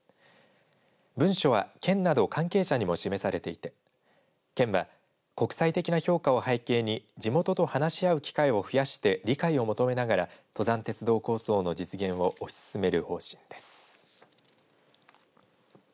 文書は県など関係者にも示されていて県は、国際的な評価を背景に地元と話し合う機会を増やして理解を求めながら登山鉄道構想の実現を推し進める方針です。